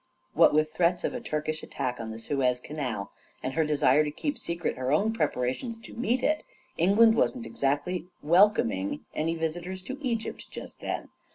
What with threats of a Turkish attack on the Suez Canal and her desire to keep secret her own preparations to meet it, England wasn't exactly wel coming any visitors to Egypt just then.